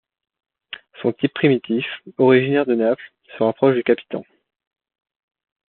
Son type primitif, originaire de Naples, se rapproche du Capitan.